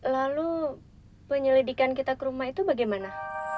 lalu penyelidikan kita ke rumah itu bagaimana